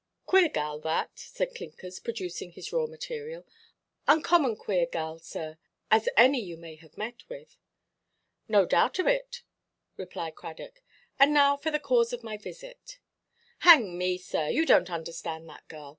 "Queer gal, that," said Clinkers, producing his raw material; "uncommon queer gal, sir, as any you may have met with." "No doubt of it," replied Cradock; "and now for the cause of my visit——" "Hang me, sir, you donʼt understand that gal.